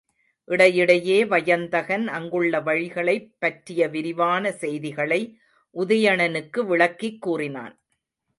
இடை யிடையே வயந்தகன் அங்குள்ள வழிகளைப் பற்றிய விரிவான செய்திகளை உதயணனுக்கு விளக்கிக் கூறினான்.